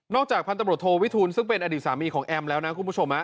จากพันตำรวจโทวิทูลซึ่งเป็นอดีตสามีของแอมแล้วนะคุณผู้ชม